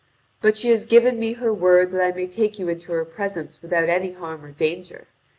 But she has given me her word that I may take you into her presence without any harm or danger.